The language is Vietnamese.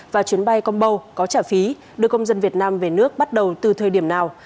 và chuyến bay combow có trả phí đưa công dân việt nam về nước bắt đầu từ thời điểm nào